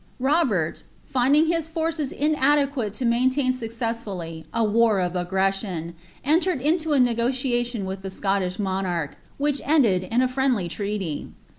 Boherl, finding his forces inaiircjiiHte in maintain successfully h vor of aggression, eniered into a negntiation with the Scottish inonarch, which emied in a frientlly treaty.